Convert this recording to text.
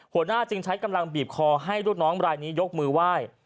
หัวหน้าจึงใช้กำลังบีบคอให้ลูกน้องรายนี้ยกมือไหว้